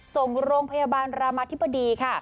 ส่งโรงพยาบาลรามาธิบดีค่ะ